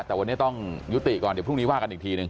แต่วันนี้ต้องยุติก่อนเดี๋ยวพรุ่งนี้ว่ากันอีกทีหนึ่ง